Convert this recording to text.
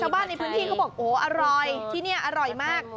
บ้านในพื้นที่เขาบอกโอ้อร่อยที่นี่อร่อยมาก